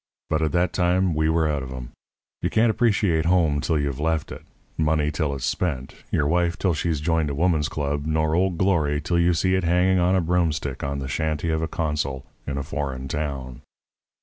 But at that time we were out of 'em. You can't appreciate home till you've left it, money till it's spent, your wife till she's joined a woman's club, nor Old Glory till you see it hanging on a broomstick on the shanty of a consul in a foreign town.